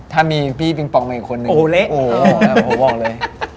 ถ้าจับกูก่อนน่าจะสนุก